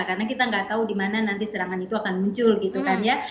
karena kita nggak tahu dimana nanti serangan itu akan muncul gitu kan ya